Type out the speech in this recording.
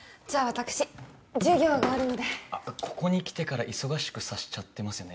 私授業があるのでここに来てから忙しくさせちゃってますよね